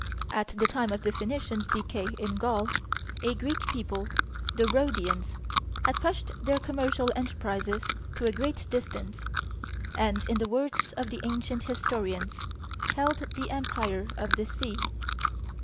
At the time of the Phoenicians' decay in Gaul, a Greek people, the Rhodians, had pushed their commercial enterprises to a great distance, and, in the words of the ancient historians, held the empire of the sea.